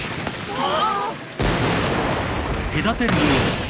ああ。